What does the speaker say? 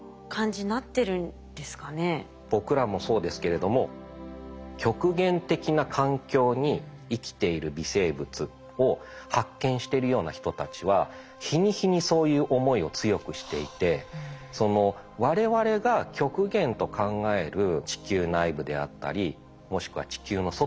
僕らもそうですけれども極限的な環境に生きている微生物を発見してるような人たちは日に日にそういう思いを強くしていてっていうふうに考える人たちが増えてきてると思います。